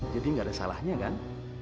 jadi gak ada salahnya kan